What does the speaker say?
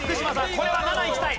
これは７いきたい！